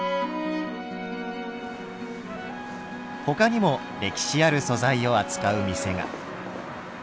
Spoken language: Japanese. ほかにも歴史ある素材を扱う店が。